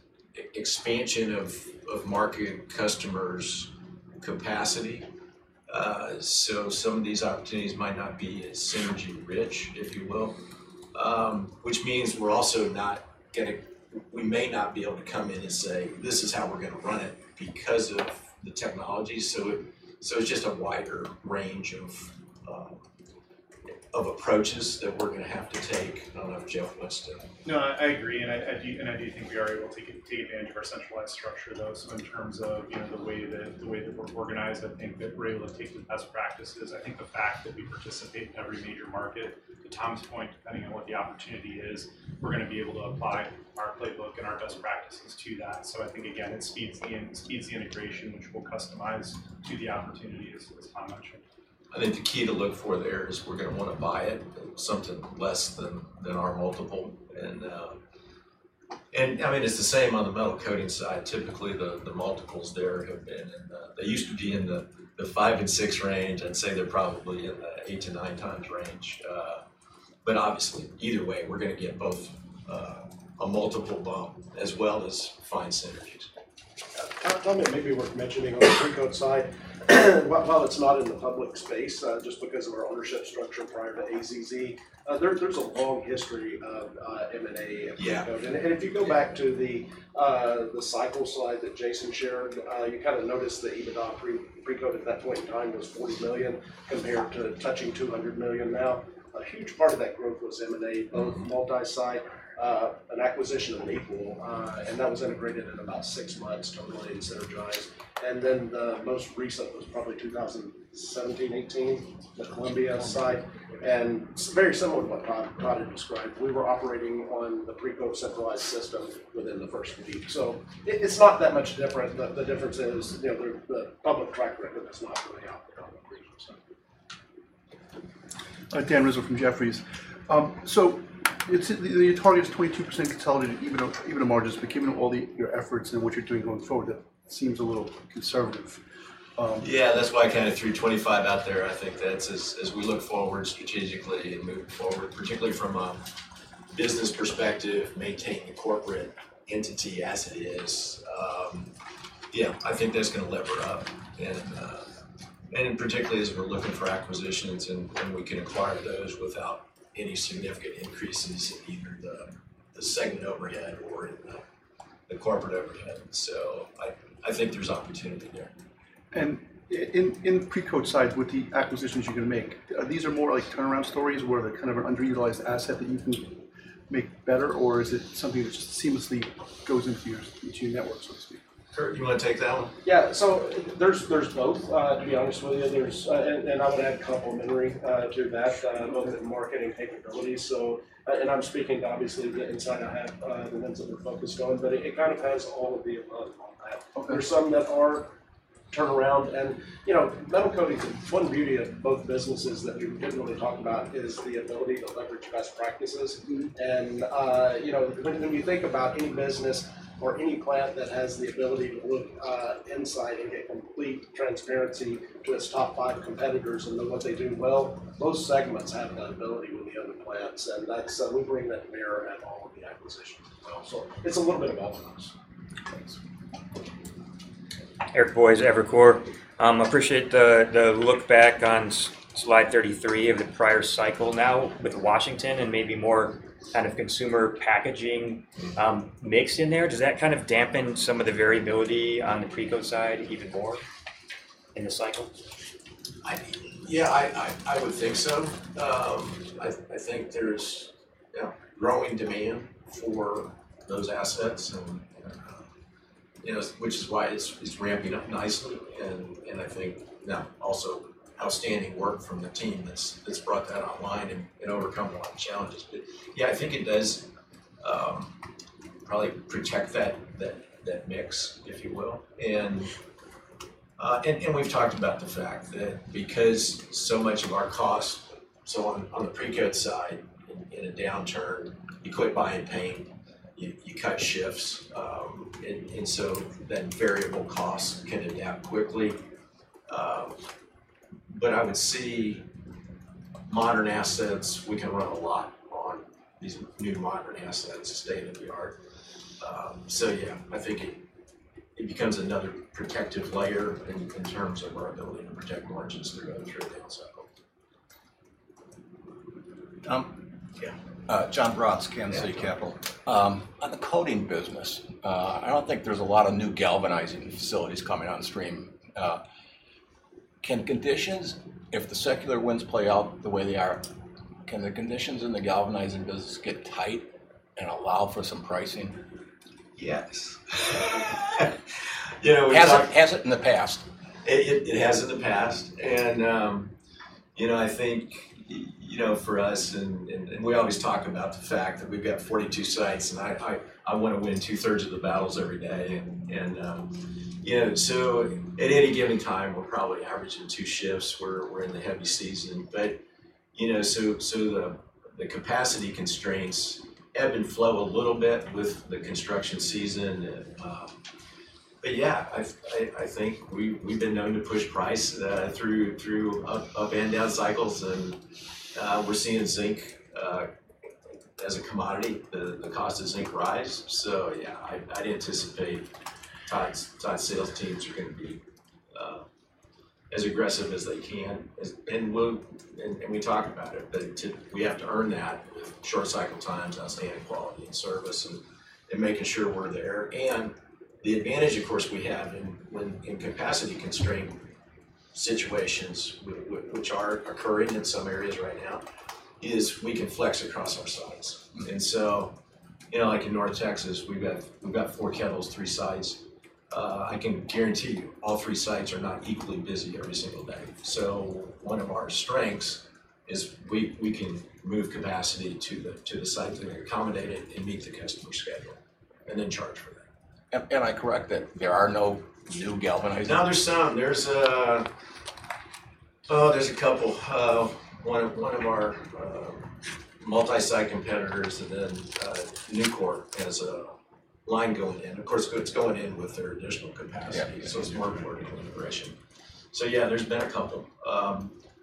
B: expansion of marketing customers' capacity. Some of these opportunities might not be as synergy-rich, if you will, which means we're also not going to, we may not be able to come in and say, this is how we're going to run it because of the technology. It's just a wider range of approaches that we're going to have to take. I don't know if Jeff wants to.
E: No, I agree. I do think we are able to take advantage of our centralized structure, in terms of the way that we're organized. I think that we're able to take the best practices because I think the fact that we participate in every major market, to Tom's point, depending on what the opportunity is, we're going to be able to apply our playbook and our best practices to that. I think it speeds the integration, which we'll customize to the opportunities.
B: I think the key to look for there is we're going to want to buy it something less than our multiple. I mean, it's the same on the Metal Coatings side. Typically, the multiples there, they used to be in the five and six range. I'd say they're probably in the eight to nine times range. Obviously, either way, we're going to get both a multiple as well as find synergies.
C: I'll make maybe worth mentioning on the Precoat side, while it's not in the public space, just because of our ownership structure prior to AZZ, there's a long history of M&A in Precoat. If you go back to the cycle slide that Jason shared, you kind of noticed the EBITDA for Precoat Metals at that point in time was $40 million compared to touching $200 million now. A huge part of that growth was M&A, both multi-site, an acquisition of [Napel], and that was integrated in about six months from when we synergized. The most recent was probably 2017, 2018, the OMBS side. Very similar to what Todd Bella had described, we were operating on the Precoat centralized system within the first week. It's not that much different, but the difference is, you know, the public.
I: Dan Rizzo from Jefferies. You said the target is 22% of the total EBITDA margins, but given all your efforts and what you're doing going forward, that seems a little conservative.
C: That's why I kind of threw 25 out there. I think that's as we look forward strategically and move forward, particularly from a business perspective, maintaining a corporate entity as it is. I think that's going to lever it up, particularly as we're looking for acquisitions, and we can acquire those without any significant increases in the corporate overhead. I think there's opportunity there.
I: On the Precoat side, with the acquisitions you're going to make, are these more like turnaround stories where they're kind of an underutilized asset that you can make better, or is it something that just seamlessly goes into your network, so to speak?
B: Kurt, you want to take that one?
A: Yeah, so there's both. To be honest with you, there's, and I would add complementary to Matt's side on other than the marketing capabilities. I'm speaking obviously inside of the things that we're focused on, but it kind of ties to all of the above. There's some that are turnaround. You know, Metal Coatings, the one beauty of both businesses that you're definitely talking about is the ability to leverage best practices. You know, when you think about any business or any plant that has the ability to look inside and complete transparency with top five competitors and know what they do well, most segments haven't. [Airboys], Evercore. I appreciate the look back on slide 33 of the prior cycle, now with Washington and maybe more kind of consumer packaging mixed in there. Does that kind of dampen some of the variability on the Precoat Metals side even more in the cycle?
B: Yeah, I would think so. I think there's growing demand for those assets, which is why it's ramping up nicely. I think now also outstanding work from the team that's brought that online and overcome a lot of challenges. I think it does probably protect that mix, if you will. We've talked about the fact that because so much of our costs, on the Precoat Metals side, in a downturn, quit buying paint, cut shifts, and so then variable costs can adapt quickly. I would see modern assets, we can run a lot of these new modern assets today that we are. I think it becomes another protective layer and you can turn to work on it. [Paul Braatz], Kinzie Capital. On the coating business, I don't think there's a lot of new galvanizing facilities coming out of the stream. Can conditions, if the secular winds play out the way they are, can the conditions in the galvanizing business get tight and allow for some pricing? Yeah. Has it in the past? It has in the past. I think, for us, we always talk about the fact that we've got 42 sites, and I want to win two-thirds of the battles every day. At any given time, we're probably averaging two shifts where we're in the heaviest season. The capacity constraints ebb and flow a little bit with the construction season. We've been known to put price through up and down cycles. We're seeing zinc as a commodity. The cost of zinc rises. I'd anticipate product sales teams are going to be as aggressive as they can. We talk about it. We have to earn that short cycle time to outstand quality and service and making sure we're there. The advantage, of course, we have in capacity constraint situations, which are occurring in some areas right now, is we can flex across our sites. In North Texas, we've got four kettles, three sites. I can guarantee you all three sites are not equally busy every single day. One of our strengths is we can move capacity to the sites and accommodate it and meet the customer's schedule and then charge for that. Am I correct that there are no new galvanizers? There's a couple. One of our multi-site competitors and then Nucor has a line going in. Of course, it's going in with their initial company. It's one more integration. There's been a couple.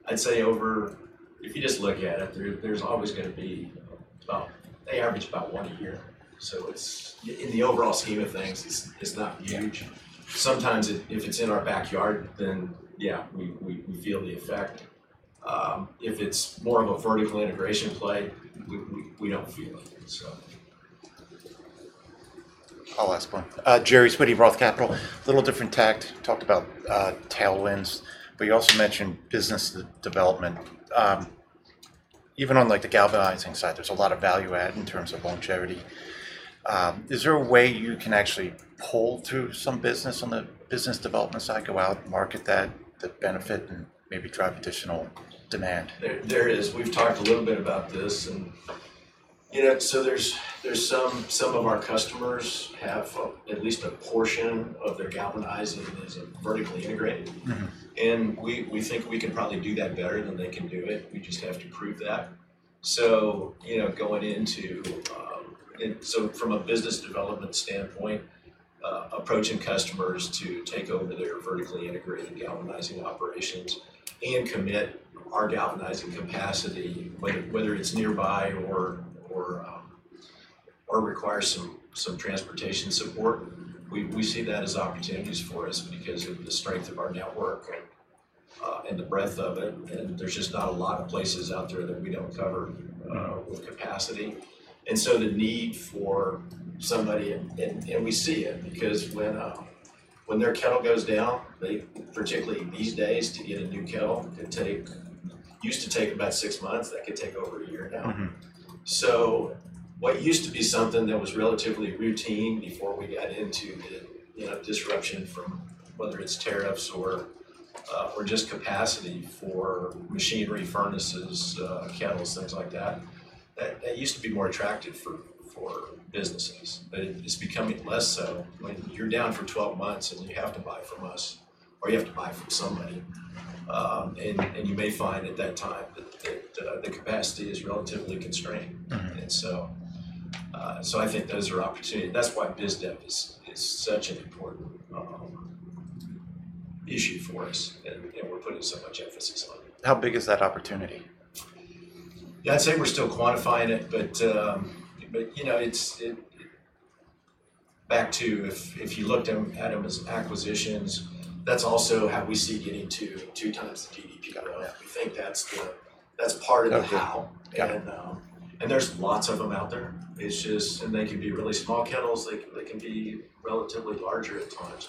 B: I'd say over, if you just look at it, there's always going to be about, they average about one a year. In the overall scheme of things, it's not huge. Sometimes if it's in our backyard, then we feel the effect. If it's more of a vertical integration play, we don't feel it.
J: I'll ask one. Gerard Sweeney, ROTH Capital, a little different tact. Talked about tailwinds, but you also mentioned business development. Even on like the Galvanizing side, there's a lot of value add in terms of voluntarity. Is there a way you can actually pull through some business on the business development side, go out and market that, that benefit and maybe drive additional demand?
B: We've talked a little bit about this. Some of our customers have at least a portion of their galvanizing that isn't vertically integrated. We think we could probably do that better than they can do it. We just have to prove that. From a business development standpoint, approaching customers to take over the different vertically integrated galvanizing operations and commit our galvanizing capacity, whether it's nearby or requires some transportation support, we see that as opportunities for us because of the strength of our network and the breadth of it. There are just not a lot of places out there that we don't cover with capacity. The need for somebody, and we see it because when their kettle goes down, particularly these days to get a new kettle, it used to take about six months. It could take a long time. What used to be something that was relatively routine before we got into the disruption from whether it's tariffs or just capacity for machinery, furnaces, kettles, things like that, that used to be more attractive for businesses, is becoming less so when you're down for 12 months and you have to buy from us or you have to buy from somebody. You may find at that time that the capacity is relatively constrained. I think those are opportunities. That's why business development is such an issue for us.
J: How big is that opportunity?
B: I'd say we're still quantifying it, but you know, it's back to if you looked at them as acquisitions, that's also how we see getting to two times the EBITDA on that. We think that's part of the how. There are lots of them out there. It's just, and they can be really small kettles. They can be relatively larger at the moment.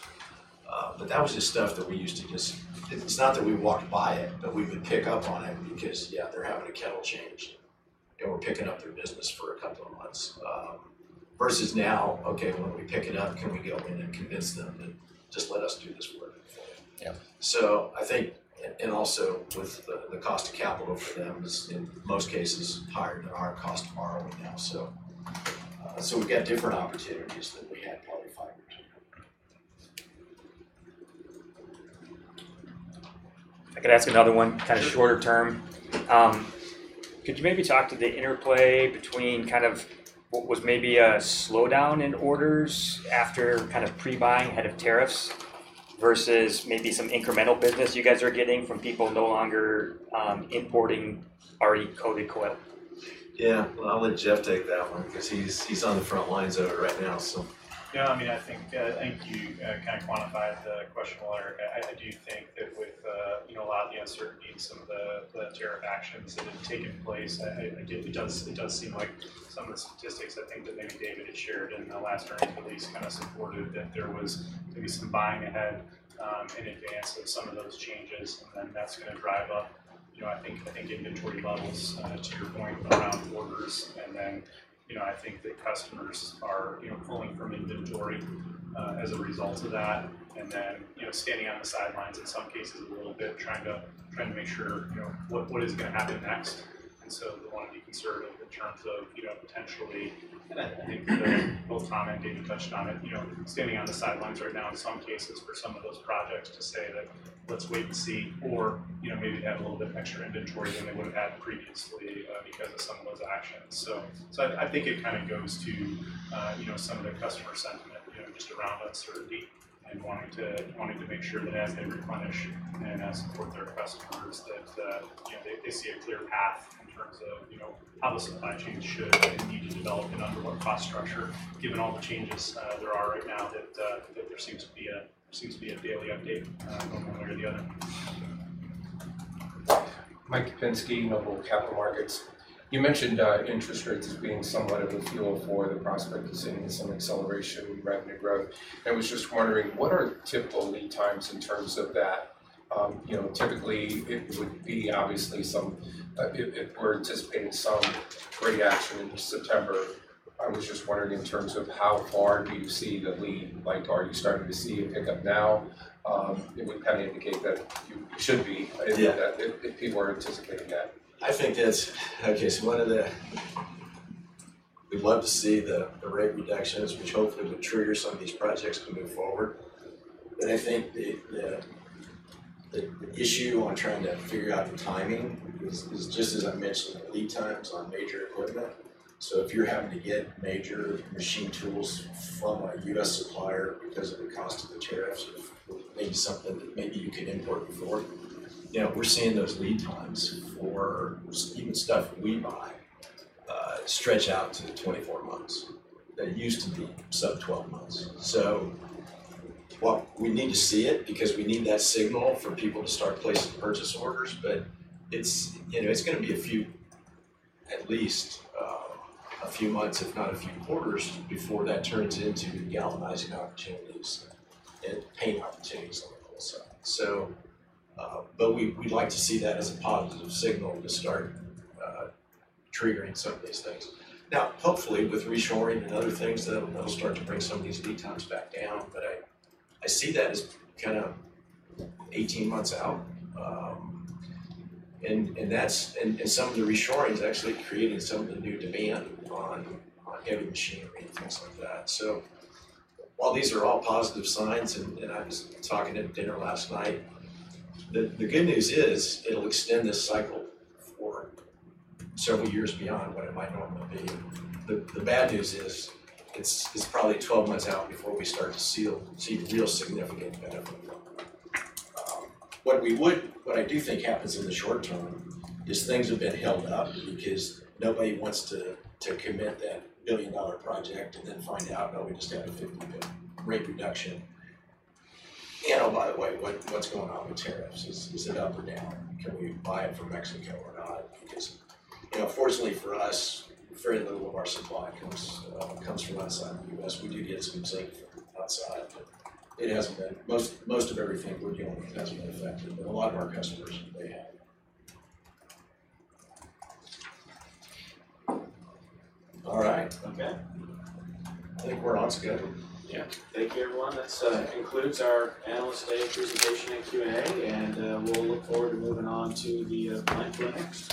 B: That was just stuff that we used to just, it's not that we walked by it, but we would pick up on it because, yeah, they're having a kettle change. We're picking up their business for a couple of months. Versus now, okay, we pick it up. Can we go in and convince them? Just let us do this for them. I think, and also with the cost of capital for them is in most cases higher than our cost tomorrow with them. We've got different opportunities.
J: I could ask another one, kind of shorter term. Could you maybe talk to the interplay between what was maybe a slowdown in orders after pre-buying ahead of tariffs versus maybe some incremental business you guys are getting from people no longer importing already coated coil?
B: I'll let Jeff take that one because he's on the front lines of it right now.
E: I think you kind of quantified the question of water. I think it would've allowed the uncertainty in some of the tariff actions that had taken place. It does seem like some of the statistics that maybe David had shared in the last draft release supported that there was maybe some buying ahead in advance of some of those changes. That's going to drive up the inventory levels, to your point, around orders. I think that customers are pulling from inventory as a result of that, standing on the sidelines in some cases a little bit, trying to make sure what is going to happen next. A lot of the uncertainty in terms of, potentially, both Tom and David touched on it, standing on the sidelines right now in some cases for some of those projects to say let's wait and see, or maybe they have a little bit of extra inventory than they would've had previously because of some of those actions. I think it kind of goes to some of the customer sentiment. They're outlets or they wanted to make sure that as they replenish and then support their customers is to see a clear path in front of how the supply chains should and need to develop an underlying cost structure given all the changes there are right now that there seems to be a daily update one way or the other.
K: Mike Kupinski, Noble Capital Markets. You mentioned interest rates as being somewhat of a fuel for the prospect of seeing some acceleration in revenue growth. I was just wondering, what are typical lead times in terms of that? Typically it would be obviously some, if we're anticipating some rate after September. I was just wondering in terms of how far do you see the lead? Are you starting to see a pickup now? It would kind of indicate that it shouldn't be if people are anticipating that.
B: I think that's just one of the, we want to see the rate reductions, which hopefully will trigger some of these projects to move forward. I think the issue on trying to figure out the timing is just as I mentioned, lead times aren't major according to that. If you're having to get major machine tools from a U.S. supplier because of the cost of the tariffs, maybe something that maybe you could import for. We're seeing those lead times for even stuff that we buy stretch out to 24 months. That used to be sub 12 months. We need to see it because we need that signal for people to start placing purchase orders. It's going to be a few, at least a few months, if not a few quarters before that turns into galvanizing opportunities and paint opportunities on the whole side. We like to see that as a positive signal to start triggering some of these things. Hopefully with reshoring and other things, that'll start to bring some of these lead times back down. I see that as kind of 18 months out. That's in some of the reshorings actually creating some of the new demand on heavy machinery and things like that. While these are all positive signs, and I was talking to them at dinner last night, the good news is it'll extend this cycle for several years beyond what it might normally be. The bad news is it's probably 12 months out before we start to see the real significant benefit. What I do think happens in the short term is things have been held up because nobody wants to commit that billion-dollar project and then find out, oh, we just had a big rate reduction. A lot of what's going on with tariffs is it up? Can we buy it from Mexico or not? Unfortunately for us, very little of our supply comes from outside the U.S. It hasn't been, most of everything we're dealing with hasn't been exactly. A lot of our customers really. I think we're all together.
A: Thank you, everyone. That concludes our analysts' day Q&A, and we'll look forward to moving on to the client clinics.